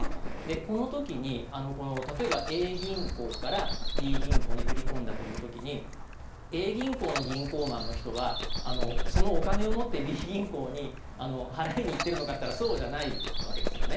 この時に、例えばＡ銀行からＢ銀行に振り込んだという時にＡ銀行の銀行マンの人はそのお金を持ってＢ銀行に払いに行ってるのかといったらそうじゃないわけですよね。